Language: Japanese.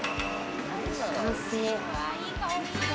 完成。